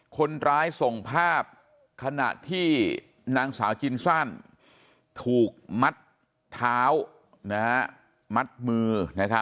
คนร้ายส่งภาพขณะที่นางสาวจินซันถูกมัดเท้ามัดมือ